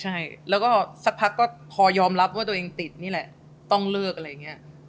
ใช่แล้วก็สักพักก็พอยอมรับว่าตัวเองติดนี่แหละต้องเลิกอะไรอย่างนี้